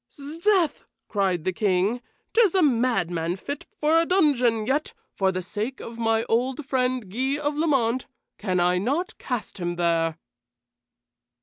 "'Sdeath!" cried the King. "'Tis a madman fit but for a dungeon, yet, for the sake of my old friend, Guy of Lamont, can I not cast him there."